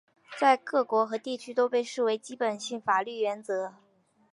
在各国和地区都被视为基本性法律原则。